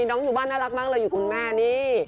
น้องอยู่บ้านน่ารักมากเลยอยู่คุณแม่นี่